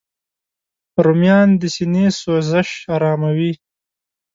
رومیان د سینې سوزش آراموي